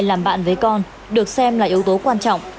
bố mẹ làm bạn với con được xem là yếu tố quan trọng